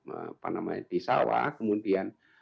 apa namanya di sawah kemudian